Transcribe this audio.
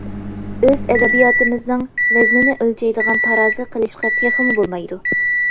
ئۆز ئەدەبىياتىمىزنىڭ ۋەزنىنى ئۆلچەيدىغان تارازا قىلىشقا تېخىمۇ بولمايدۇ.